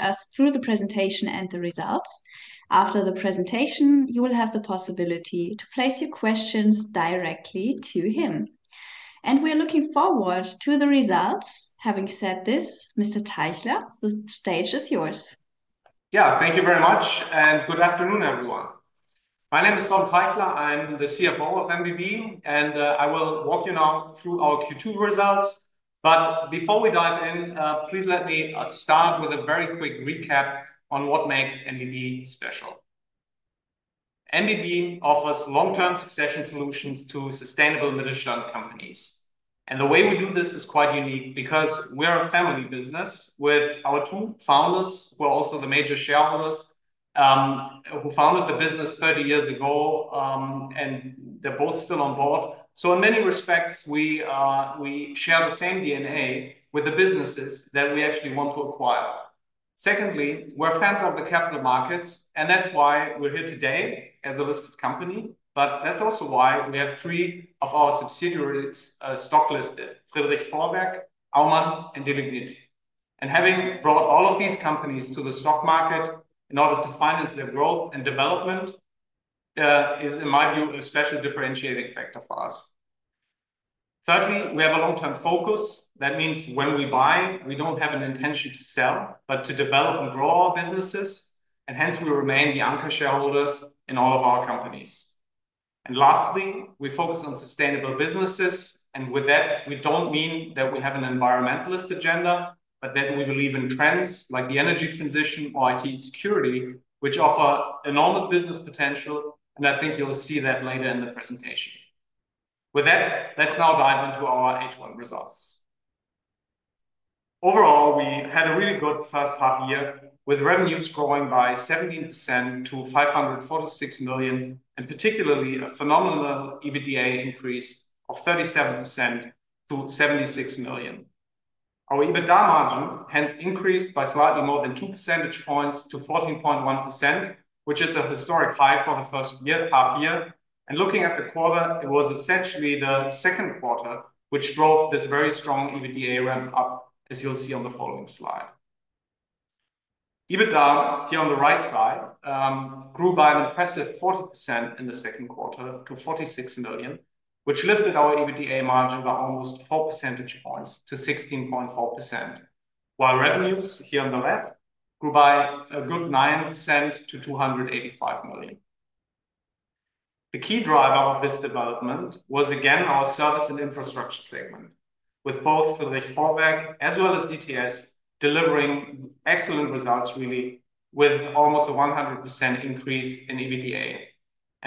Us through the presentation and the results. After the presentation, you will have the possibility to place your questions directly to him. We are looking forward to the results. Having said this, Mr. Teichler, the stage is yours. Yeah, thank you very much, and good afternoon, everyone. My name is Torben Teichler. I'm the CFO of MBB, and I will walk you now through our Q2 results. Before we dive in, please let me start with a very quick recap on what makes MBB special. MBB offers long-term succession solutions to sustainable mid-sized businesses. The way we do this is quite unique because we are a family business with our two founders, who are also the major shareholders, who founded the business 30 years ago, and they're both still on board. In many respects, we share the same DNA with the businesses that we actually want to acquire. Secondly, we're fans of the capital markets, and that's why we're here today as a listed company. That's also why we have three of our subsidiaries stock-listed: Friedrich Vorwerk Group SE, Aumann AG, and Delignit. Having brought all of these companies to the stock market in order to finance their growth and development is, in my view, a special differentiating factor for us. Thirdly, we have a long-term focus. That means when we buy, we don't have an intention to sell, but to develop and grow our businesses, and hence we remain the anchor shareholders in all of our companies. Lastly, we focus on sustainable businesses, and with that, we don't mean that we have an environmentalist agenda, but that we believe in trends like the energy transition or IT security, which offer enormous business potential. I think you'll see that later in the presentation. With that, let's now dive into our H1 results. Overall, we had a really good first half year with revenues growing by 17% to 546 million, and particularly a phenomenal EBITDA increase of 37% to 76 million. Our EBITDA margin has increased by slightly more than two percentage points to 14.1%, which is a historic high for the first half year. Looking at the quarter, it was essentially the second quarter which drove this very strong EBITDA ramp up, as you'll see on the following slide. EBITDA, here on the right side, grew by even faster: 40% in the second quarter to 46 million, which lifted our EBITDA margin by almost four percentage points to 16.4%. While revenues, here on the left, grew by a good 9% to 285 million. The key driver of this development was, again, our service and infrastructure segment, with both Friedrich Vorwerk as well as DTS delivering excellent results, really, with almost a 100% increase in EBITDA.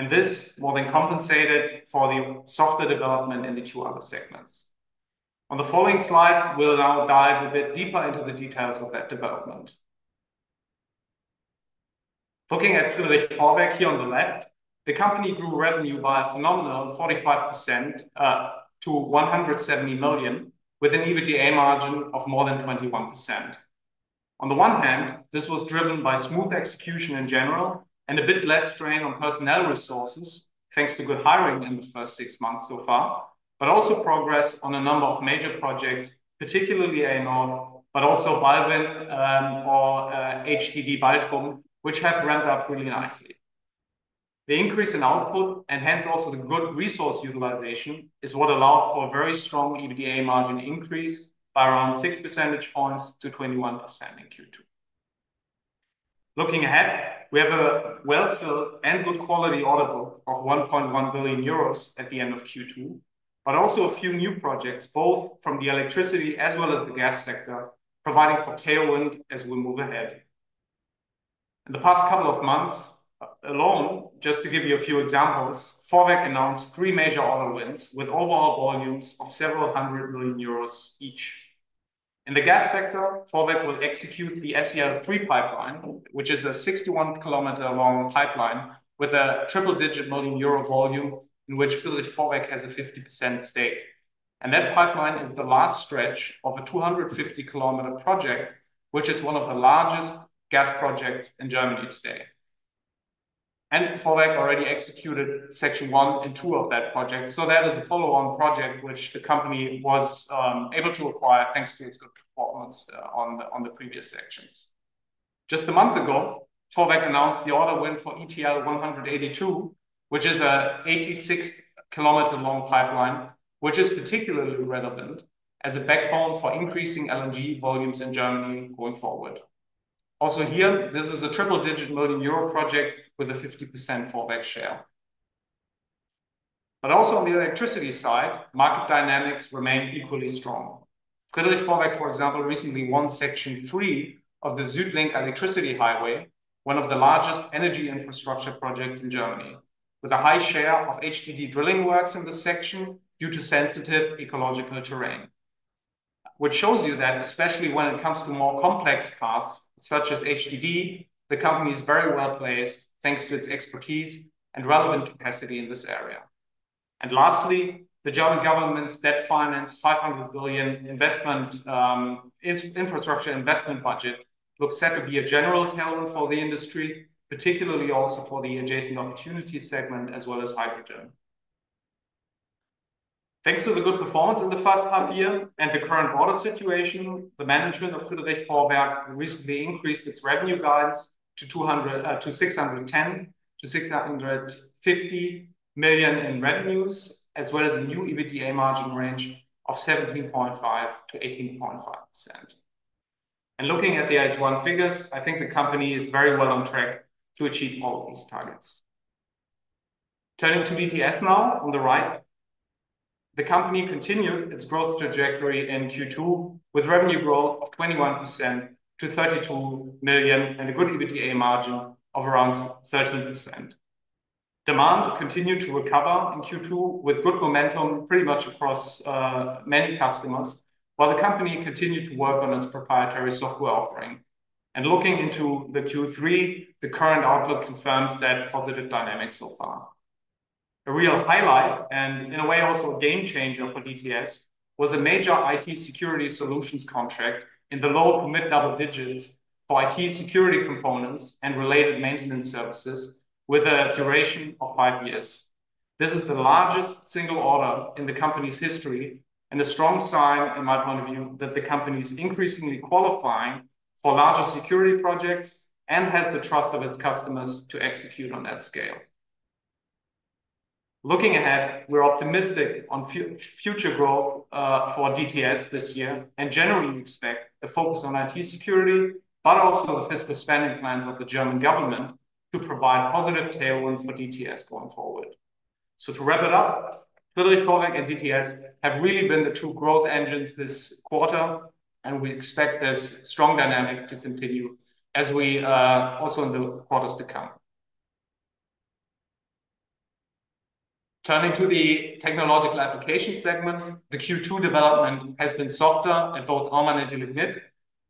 This more than compensated for the software development in the two other segments. On the following slide, we'll now dive a bit deeper into the details of that development. Looking at Friedrich Vorwerk, here on the left, the company grew revenue by a phenomenal 45% to 170 million, with an EBITDA margin of more than 21%. On the one hand, this was driven by smooth execution in general and a bit less strain on personnel resources, thanks to good hiring in the first six months so far, but also progress on a number of major projects, particularly [ENOG], but also [Baldwin or HDD Baldrum], which have ramped up really nicely. The increase in output, and hence also the good resource utilization, is what allowed for a very strong EBITDA margin increase by around six percentage points to 21% in Q2. Looking ahead, we have a wealthy and good quality order book of 1.1 billion euros at the end of Q2, but also a few new projects, both from the electricity as well as the gas sector, providing for tailwind as we move ahead. In the past couple of months alone, just to give you a few examples, Vorwerk announced three major order wins with overall volumes of several hundred million euros each. In the gas sector, Vorwerk will execute the SCL3 pipeline, which is a 61 km long pipeline with a triple-digit million euro volume, in which Friedrich Vorwerk has a 50% stake. That pipeline is the last stretch of a 250 km project, which is one of the largest gas projects in Germany today. Vorwerk already executed section one and two of that project. That is a follow-on project which the company was able to acquire thanks to its good performance on the previous sections. Just a month ago, Vorwerk announced the order win for ETL 182, which is an 86 km long pipeline, which is particularly relevant as a backbone for increasing LNG volumes in Germany going forward. Also here, this is a triple-digit million euro project with a 50% Vorwerk share. On the electricity side, market dynamics remain equally strong. Friedrich Vorwerk, for example, recently won section three of the SüdLink electricity highway, one of the largest energy infrastructure projects in Germany, with a high share of HDD drilling works in this section due to sensitive ecological terrain. This shows you that especially when it comes to more complex tasks, such as HDD, the company is very well placed thanks to its expertise and relevant capacity in this area. Lastly, the German government's debt-financed 500 billion infrastructure investment budget looks set to be a general tailwind for the industry, particularly also for the adjacent opportunity segment as well as hydrogen. Thanks to the good performance in the first half year and the current order situation, the management of Friedrich Vorwerk recently increased its revenue guidance to 610 to 650 million in revenues, as well as a new EBITDA margin range of 17.5% to 18.5%. Looking at the H1 figures, I think the company is very well on track to achieve all of those targets. Turning to DTS now, on the right, the company continued its growth trajectory in Q2 with revenue growth of 21% to 32 million and a good EBITDA margin of around 13%. Demand continued to recover in Q2 with good momentum pretty much across many customers, while the company continued to work on its proprietary software business. Looking into Q3, the current outlook confirms that positive dynamics so far. A real highlight, and in a way also a game changer for DTS, was a major public sector IT security contract in the low to mid-double-digit millions for IT security components and related maintenance services with a duration of five years. This is the largest single order in the company's history and a strong sign, in my point of view, that the company is increasingly qualifying for larger security projects and has the trust of its customers to execute on that scale. Looking ahead, we're optimistic on future growth for DTS this year and generally expect a focus on IT security, but also assess the spending plans of the German government to provide positive tailwind for DTS going forward. To wrap it up, Friedrich Vorwerk and DTS have really been the two growth engines this quarter, and we expect this strong dynamic to continue in the quarters to come. Turning to the technological application segment, the Q2 development has been softer at both Aumann AG and Delignit,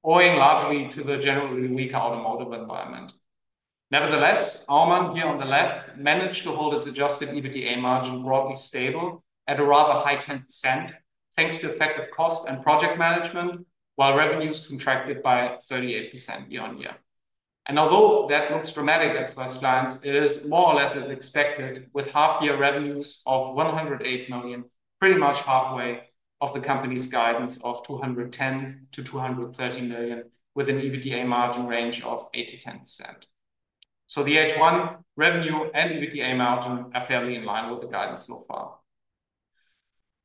owing largely to the generally weaker automotive environment. Nevertheless, Aumann AG, here on the left, managed to hold its adjusted EBITDA margin broadly stable at a rather high 10% thanks to effective cost and project management, while revenues contracted by 38% year on year. Although that looks dramatic at first glance, it is more or less as expected with half-year revenues of 108 million, pretty much halfway of the company's guidance of 21-230 million with an EBITDA margin range of 8%-10%. The H1 revenue and EBITDA margin are fairly in line with the guidance so far.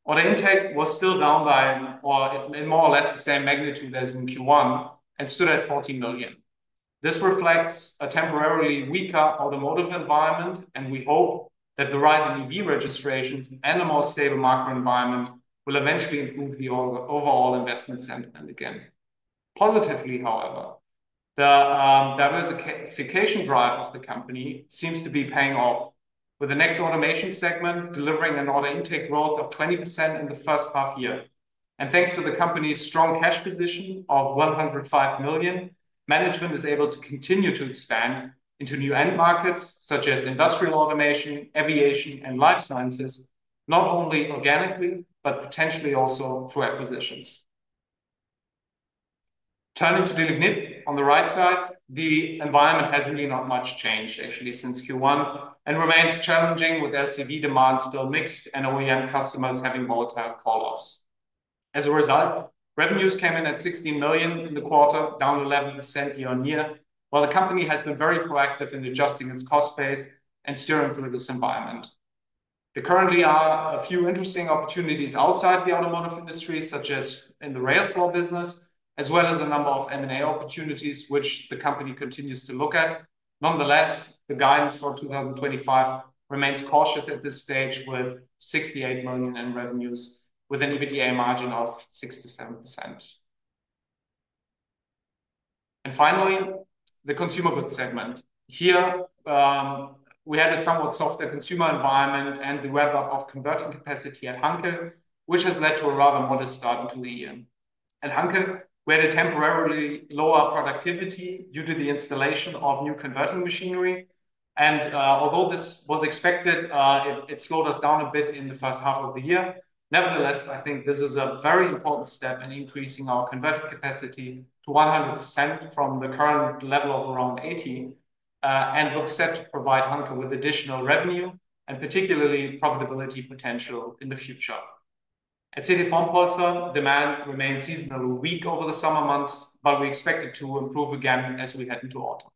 Order intake was still down by more or less the same magnitude as in Q1 and stood at 14 million. This reflects a temporarily weaker automotive environment, and we hope that the rise in EV registrations and a more stable macro environment will eventually improve the overall investment sentiment again. Positively, however, the diversification drive of the company seems to be paying off, with the next automation segment delivering an order intake growth of 20% in the first half year. Thanks to the company's strong cash position of 105 million, management is able to continue to expand into new end markets such as industrial automation, aviation, and life sciences, not only organically, but potentially also through acquisitions. Turning to Delignit, on the right side, the environment has really not much changed actually since Q1 and remains challenging with LCV demand still mixed and OEM customers having volatile call-offs. As a result, revenues came in at 16 million in the quarter, down 11% year on year, while the company has been very proactive in adjusting its cost base and steering through this environment. There currently are a few interesting opportunities outside the automotive industry, such as in the rail floor business, as well as a number of M&A opportunities, which the company continues to look at. Nonetheless, the guidance for 2025 remains cautious at this stage with 68 million in revenues with an EBITDA margin of 6%-7%. Finally, the consumer goods segment. Here, we had a somewhat softer consumer environment and the ramp-up of converting capacity at Hanke, which has led to a rather modest start of the year. At Hanke, we had a temporarily lower productivity due to the installation of new converting machinery. Although this was expected, it slowed us down a bit in the first half of the year. Nevertheless, I think this is a very important step in increasing our converting capacity to 100% from the current level of around 80% and looks set to provide Hanke with additional revenue and particularly profitability potential in the future. At CDV Wampoldser, demand remains seasonally weak over the summer months, but we expect it to improve again as we head into autumn.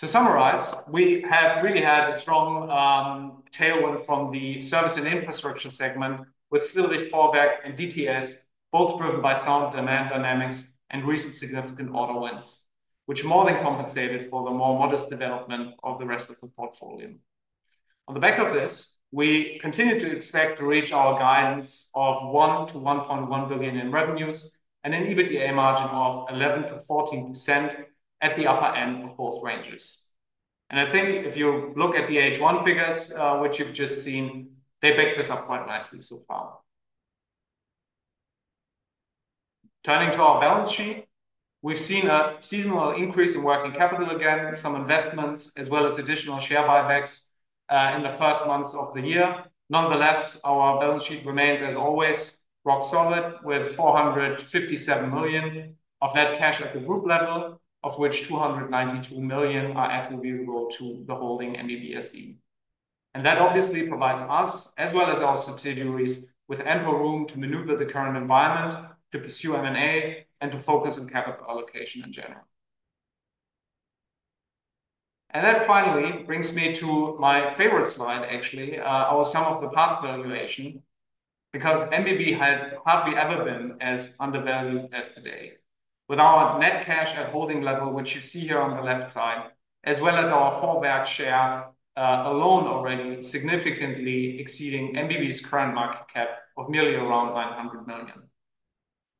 To summarize, we have really had a strong tailwind from the service and infrastructure segment with Friedrich Vorwerk and DTS, both driven by sound demand dynamics and recent significant auto wins, which more than compensated for the more modest development of the rest of the portfolio. On the back of this, we continue to expect to reach our guidance of 1 billion-1.1 billion in revenues and an EBITDA margin of 11%-14% at the upper end of both ranges. I think if you look at the H1 figures, which you've just seen, they pick this up quite nicely so far. Turning to our balance sheet, we've seen a seasonal increase in working capital again, some investments, as well as additional share buybacks in the first months of the year. Nonetheless, our balance sheet remains, as always, rock-solid with 457 million of net cash at the group level, of which 292 million are attributable to the holding and MBB SE. That obviously provides us, as well as our subsidiaries, with ample room to maneuver the current environment, to pursue M&A, and to focus on capital allocation in general. That finally brings me to my favorite slide, actually, our sum-of-the-parts valuation, because MBB has hardly ever been as undervalued as today. With our net cash at holding level, which you see here on the left side, as well as our forward share alone already significantly exceeding MBB's current market cap of merely around 100 million.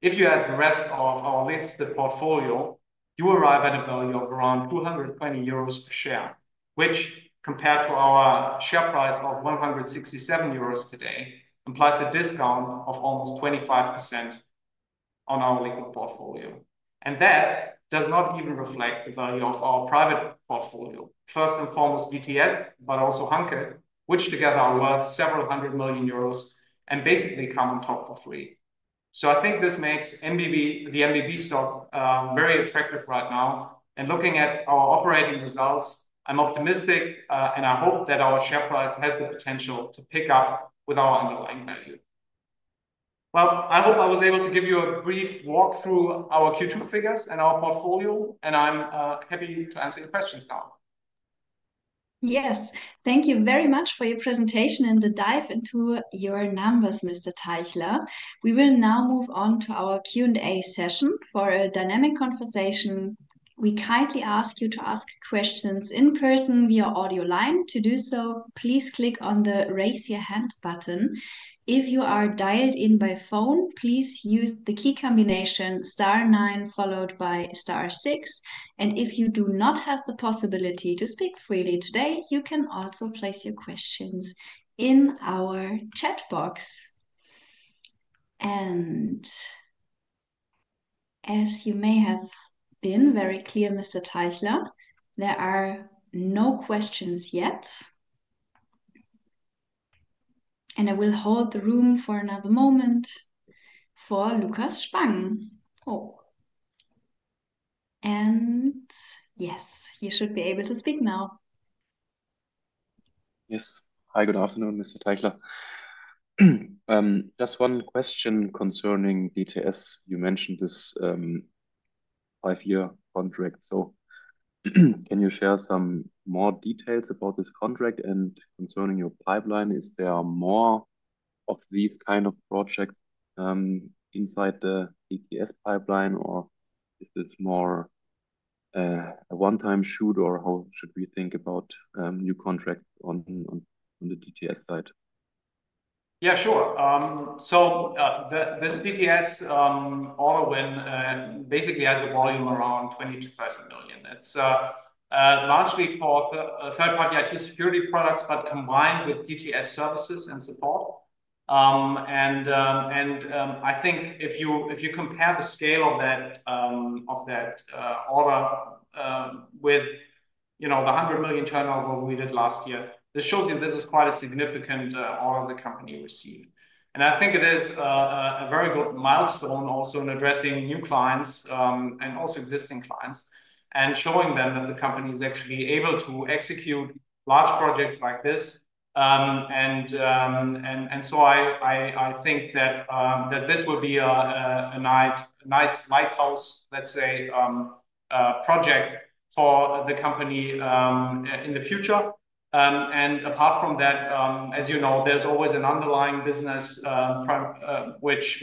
If you add the rest of our listed portfolio, you arrive at a value of around 220 euros per share, which, compared to our share price of 167 euros today, implies a discount of almost 25% on our liquid portfolio. That does not even reflect the value of our private portfolio, first and foremost DTS, but also Hanke, which together are worth several hundred million euros and basically come on top for free. I think this makes the MBB stock very attractive right now. Looking at our operating results, I'm optimistic, and I hope that our share price has the potential to pick up with our underlying value. I hope I was able to give you a brief walk through our Q2 figures and our portfolio, and I'm happy to answer your questions now. Yes, thank you very much for your presentation and the dive into your numbers, Mr. Teichler. We will now move on to our Q&A session for a dynamic conversation. We kindly ask you to ask questions in person via audio line. To do so, please click on the raise your hand button. If you are dialed in by phone, please use the key combination star nine followed by star six. If you do not have the possibility to speak freely today, you can also place your questions in our chat box. As you may have been very clear, Mr. Teichler, there are no questions yet. I will hold the room for another moment for Lukas Spang. Oh, yes, you should be able to speak now. Yes, hi, good afternoon, Mr. Teichler. Just one question concerning DTS. You mentioned this five-year contract. Can you share some more details about this contract, and concerning your pipeline, is there more of these kinds of projects inside the DTS pipeline, or is this more a one-time shoot? How should we think about new contracts on the DTS side? Yeah, sure. This DTS auto win basically has a volume around 20 million-30 million. It's largely for third-party IT security products, but combined with DTS services and support. I think if you compare the scale of that order with the $100 million turnover we did last year, this shows you this is quite a significant order the company received. I think it is a very good milestone also in addressing new clients and also existing clients and showing them that the company is actually able to execute large projects like this. I think that this will be a nice lighthouse, let's say, project for the company in the future. Apart from that, as you know, there's always an underlying business, which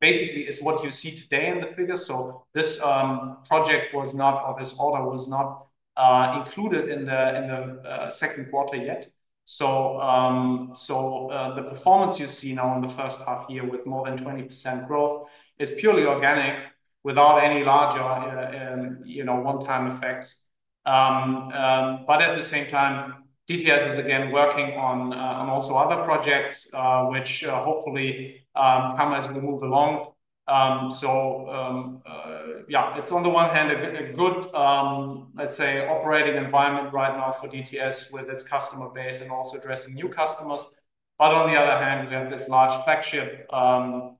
basically is what you see today in the figures. This project was not, or this order was not included in the second quarter yet. The performance you see now in the first half year with more than 20% growth is purely organic without any larger one-time effects. At the same time, DTS is again working on also other projects, which hopefully come as we move along. It's on the one hand a good, let's say, operating environment right now for DTS with its customer base and also addressing new customers. On the other hand, we have this large flagship order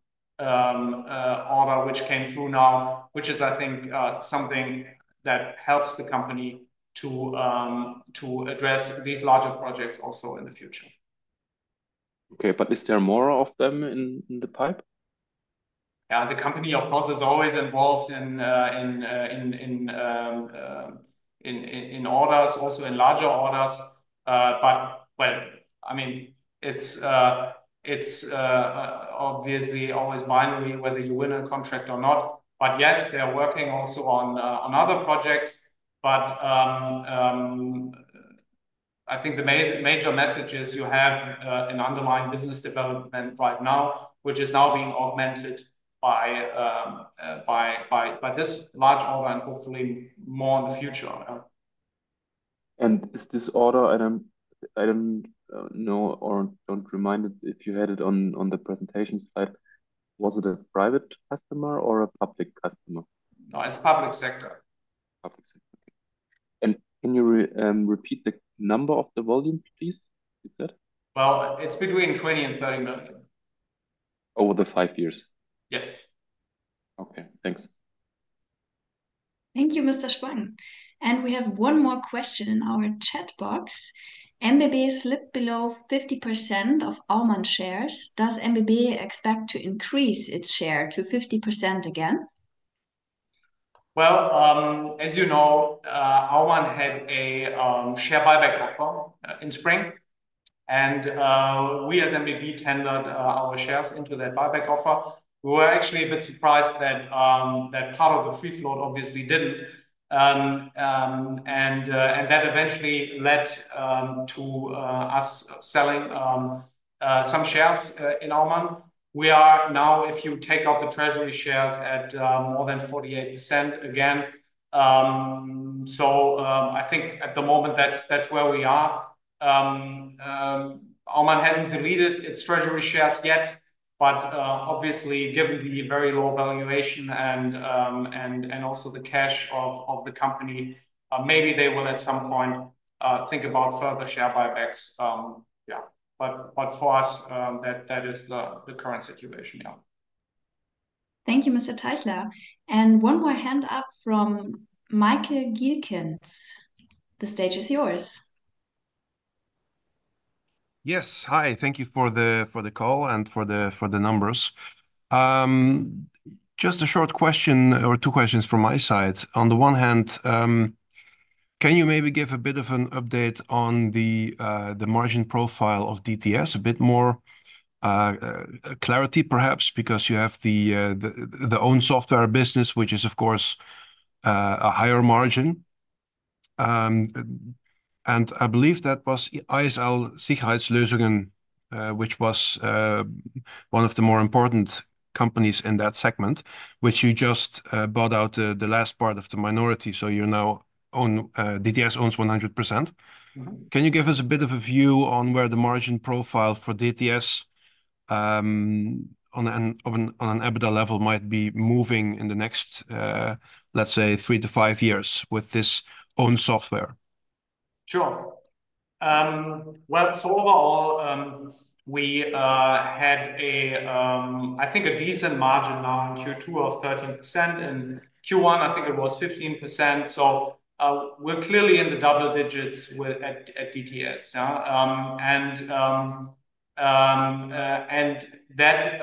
which came through now, which is, I think, something that helps the company to address these larger projects also in the future. Okay, is there more of them in the pipe? Yeah, the company, of course, is always involved in orders, also in larger orders. I mean, it's obviously always binary whether you win a contract or not. Yes, they're working also on other projects. I think the major message is you have an underlying business development right now, which is now being augmented by this large order and hopefully more in the future. Is this order, I don't know or don't remember if you had it on the presentation slide, was it a private customer or a public customer? No, it's a public sector IT security contract. Public sector. Okay, can you repeat the number of the volume, please? It is between $20 million and $30 million. Over the five years? Yes. Okay, thanks. Thank you, Mr. Spangen. We have one more question in our chat box. MBB slipped below 50% of Aumann shares. Does MBB expect to increase its share to 50% again? As you know, Aumann had a share buyback offer in spring, and we as MBB tendered our shares into that buyback offer. We were actually a bit surprised that part of the free float obviously didn't, and that eventually led to us selling some shares in Aumann. We are now, if you take out the treasury shares, at more than 48% again. I think at the moment, that's where we are. Aumann hasn't deleted its treasury shares yet, but obviously, given the very low valuation and also the cash of the company, maybe they will at some point think about further share buybacks. For us, that is the current situation. Thank you, Mr. Teichler. One more hand up from Michael Gielkens. The stage is yours. Yes, hi. Thank you for the call and for the numbers. Just a short question or two questions from my side. On the one hand, can you maybe give a bit of an update on the margin profile of DTS? A bit more clarity, perhaps, because you have the proprietary software business, which is, of course, a higher margin. I believe that was ESL [Sicherheitslösungen], which was one of the more important companies in that segment, which you just bought out the last part of the minority. You now own, DTS owns, 100%. Can you give us a bit of a view on where the margin profile for DTS on an EBITDA level might be moving in the next, let's say, 3-5 years with this proprietary software? Sure. Overall, we had a, I think, a decent margin now in Q2 of 13%. In Q1, I think it was 15%. We're clearly in the double digits at DTS. That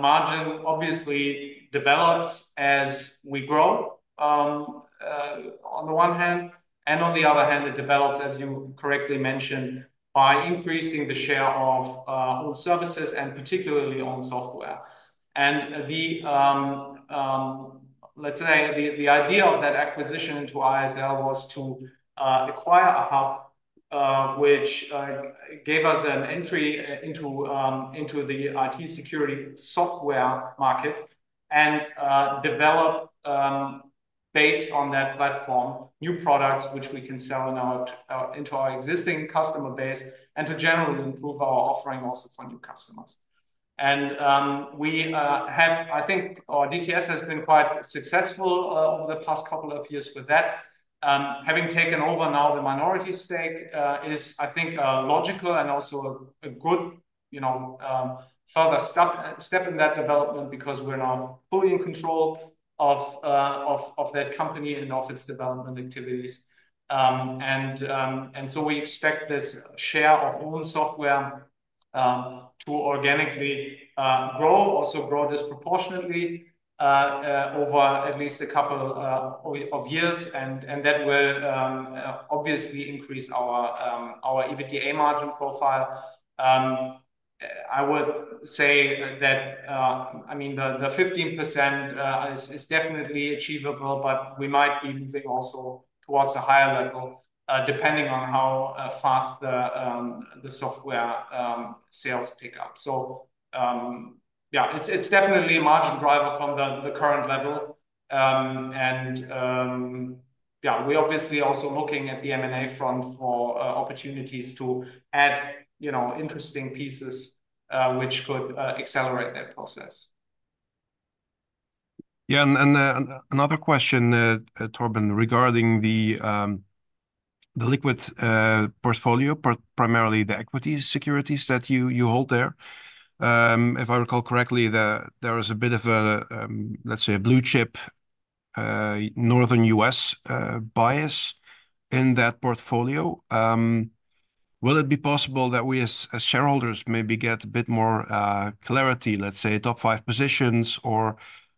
margin obviously develops as we grow on the one hand, and on the other hand, it develops, as you correctly mentioned, by increasing the share of own services and particularly own software. The idea of that acquisition into ESL was to acquire a hub, which gave us an entry into the IT security software market and develop, based on that platform, new products which we can sell into our existing customer base and to generally improve our offering also for new customers. We have, I think, or DTS has been quite successful over the past couple of years with that. Having taken over now the minority stake is, I think, logical and also a good, you know, further step in that development because we're now fully in control of that company and of its development activities. We expect this share of own software to organically grow, also grow disproportionately over at least a couple of years. That will obviously increase our EBITDA margin profile. I would say that, I mean, the 15% is definitely achievable, but we might be moving also towards a higher level depending on how fast the software sales pick up. It's definitely a margin driver from the current level. We're obviously also looking at the M&A front for opportunities to add, you know, interesting pieces which could accelerate that process. Yeah, another question, Torben, regarding the liquid portfolio, primarily the equity securities that you hold there. If I recall correctly, there is a bit of a, let's say, a blue chip Northern U.S. bias in that portfolio. Will it be possible that we, as shareholders, maybe get a bit more clarity, let's say top five positions or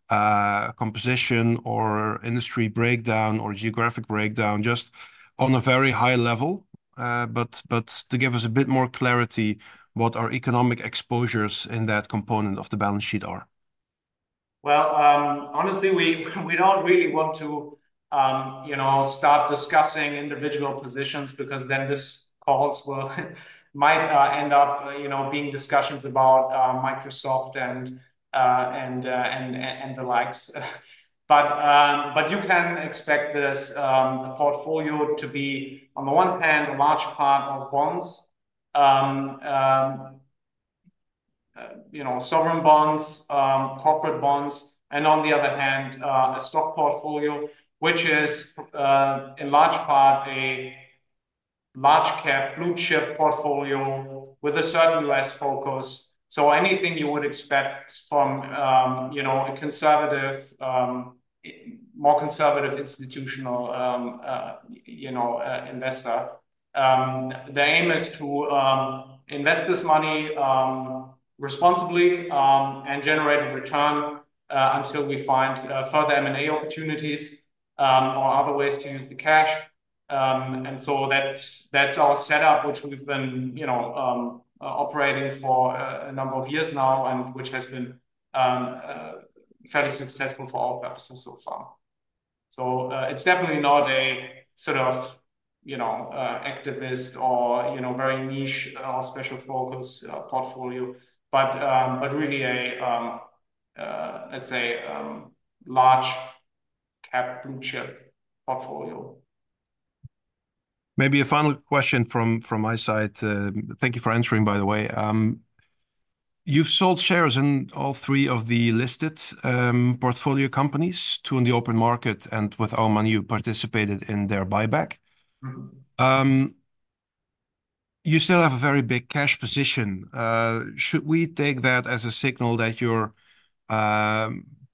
composition or industry breakdown or geographic breakdown, just on a very high level, to give us a bit more clarity what our economic exposures in that component of the balance sheet are? Honestly, we don't really want to start discussing individual positions because then these calls might end up being discussions about Microsoft and the likes. You can expect this portfolio to be, on the one hand, a large part of bonds, sovereign bonds, corporate bonds, and on the other hand, a stock portfolio, which is in large part a large cap blue chip portfolio with a certain U.S. focus. Anything you would expect from a more conservative institutional investor, the aim is to invest this money responsibly and generate a return until we find further M&A opportunities or other ways to use the cash. That's our setup, which we've been operating for a number of years now and which has been fairly successful for our purposes so far. It's definitely not a sort of activist or very niche or special focus portfolio, but really a, let's say, large cap blue chip. Maybe a final question from my side. Thank you for answering, by the way. You've sold shares in all three of the listed portfolio companies, two in the open market, and with Aumann, you participated in their buyback. You still have a very big cash position. Should we take that as a signal that you're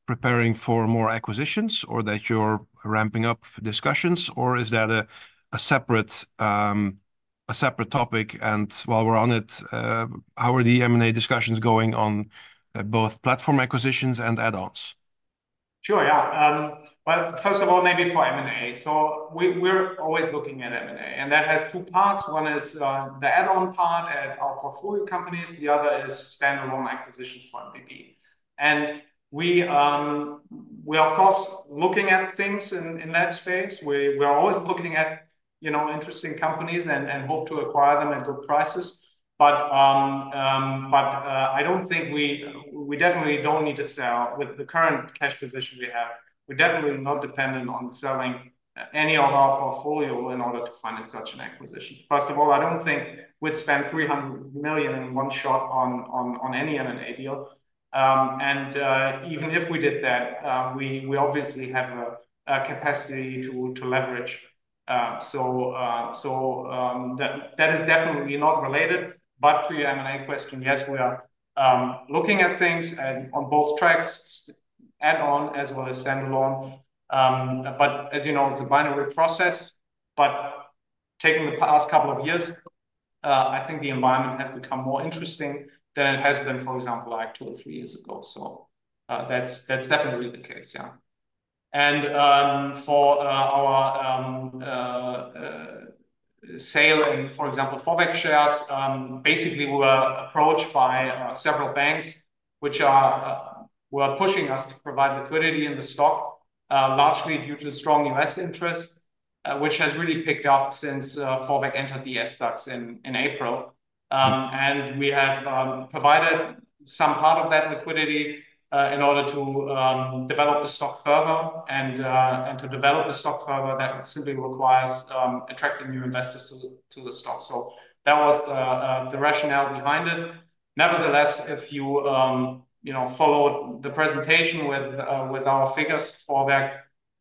preparing for more acquisitions or that you're ramping up discussions, or is that a separate topic? While we're on it, how are the M&A discussions going on both platform acquisitions and add-ons? Sure, yeah. First of all, maybe for M&A. We're always looking at M&A, and that has two parts. One is the add-on part at our portfolio companies. The other is standalone acquisitions for MBB. We are, of course, looking at things in that space. We're always looking at interesting companies and hope to acquire them at good prices. I don't think we definitely don't need to sell with the current cash position we have. We're definitely not dependent on selling any of our portfolio in order to finance such an acquisition. I don't think we'd spend 300 million in one shot on any M&A deal. Even if we did that, we obviously have a capacity to leverage. That is definitely not related. To your M&A question, yes, we are looking at things on both tracks, add-on as well as standalone. As you know, it's a binary process. Taking the past couple of years, I think the environment has become more interesting than it has been, for example, like two or three years ago. That's definitely the case, yeah. For our sale in, for example, Friedrich Vorwerk shares, basically, we were approached by several banks, which were pushing us to provide liquidity in the stock, largely due to the strong U.S. interest, which has really picked up since Friedrich Vorwerk entered the SDAX in April. We have provided some part of that liquidity in order to develop the stock further. To develop the stock further, that simply requires attracting new investors to the stock. That was the rationale behind it. Nevertheless, if you follow the presentation with our figures, Friedrich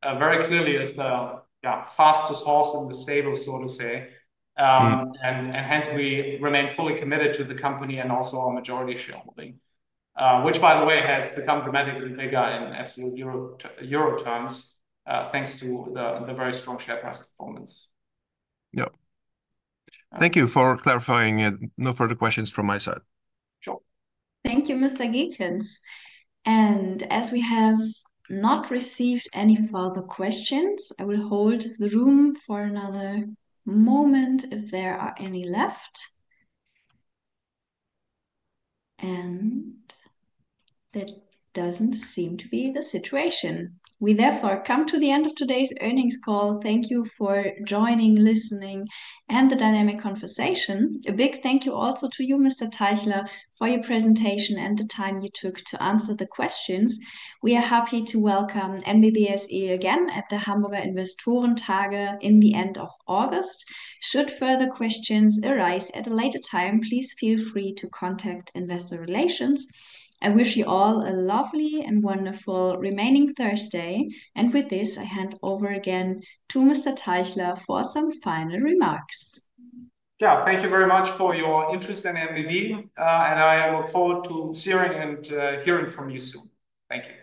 Vorwerk very clearly is the fastest horse in the saddle, so to say. Hence, we remain fully committed to the company and also our majority shareholding, which, by the way, has become dramatically bigger in absolute euro terms, thanks to the very strong share price performance. Thank you for clarifying. No further questions from my side. Thank you, Mr. Gielkens. As we have not received any further questions, I will hold the room for another moment if there are any left. That doesn't seem to be the situation. We therefore come to the end of today's earnings call. Thank you for joining, listening, and the dynamic conversation. A big thank you also to you, Mr. Teichler, for your presentation and the time you took to answer the questions. We are happy to welcome MBB SE again at the Hamburger Investorentagen at the end of August. Should further questions arise at a later time, please feel free to contact Investor Relations. I wish you all a lovely and wonderful remaining Thursday. With this, I hand over again to Mr. Teichler for some final remarks. Thank you very much for your interest in MBB, and I look forward to seeing and hearing from you soon. Thank you.